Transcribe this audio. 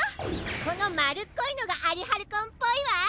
このまるっこいのがアリハルコンっぽいわ！